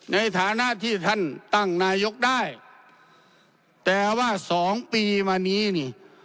ในฐานะที่ท่านตั้งนายกได้แต่ว่าสองปีมานี้นี่